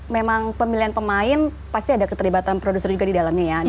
memang pemilihan pemain pasti ada keterlibatan produser juga di dalamnya ya